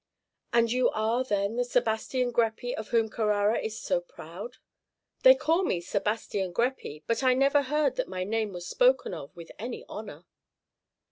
"And you are, then, the Sebastian Greppi of whom Carrara is so proud?" "They call me Sebastian Greppi; but I never heard that my name was spoken of with any honor."